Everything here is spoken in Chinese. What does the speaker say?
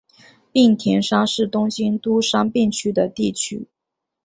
滨田山是东京都杉并区的地名。